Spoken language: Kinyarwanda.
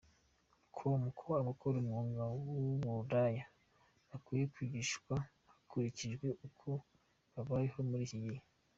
com ko abakora umwuga w’uburaya bakwiye kwigishwa hakurikijwe uko babayeho muri iki gihe.